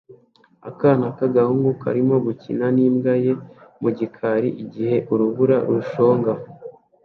Akana k'agahungu karimo gukina n'imbwa ye mu gikari igihe urubura rushonga